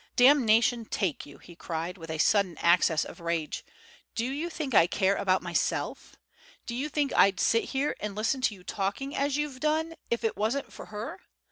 "Damnation take you!" he cried, with a sudden access of rage, "do you think I care about myself? Do you think I'd sit here and listen to you talking as you've done if it wasn't for her?